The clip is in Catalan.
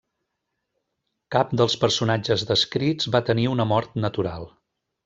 Cap dels personatges descrits va tenir una mort natural.